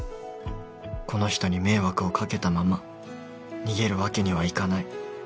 この人に迷惑をかけたまま逃げるわけにはいかない